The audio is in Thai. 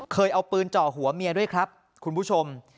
เคยเอาปืนเจาะหัวเมียด้วยครับคุณผู้ชม